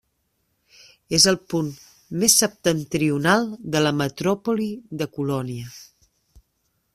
És el punt més septentrional de la metròpoli de Colònia.